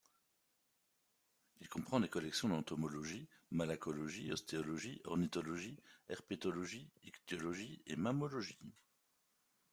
Il comprend des collections d'entomologie, malacologie, ostéologie, ornithologie, herpétologie, ichtyologie et Mammalogie.